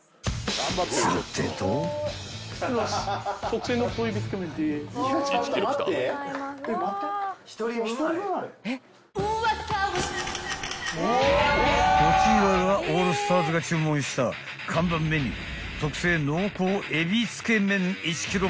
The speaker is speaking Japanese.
［こちらがオールスターズが注文した看板メニュー特製濃厚エビつけ麺１ｋｇバージョン］